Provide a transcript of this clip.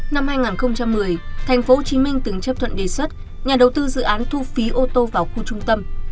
năm hai nghìn một mươi tp hcm từng chấp thuận đề xuất nhà đầu tư dự án thu phí ô tô vào khu trung tâm